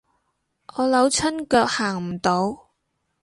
我扭親腳行唔到